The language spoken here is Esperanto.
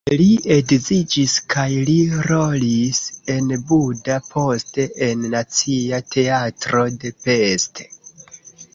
Li edziĝis kaj li rolis en Buda, poste en Nacia Teatro de Pest.